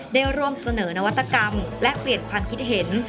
ได้ร่วมเสนอนวัตกรรมและเปลี่ยนความคิดเห็น